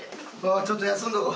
ちょっと休んでおこう。